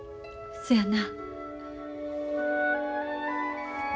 そやな。